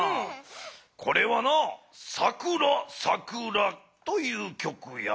これはな「さくらさくら」という曲やゲロ。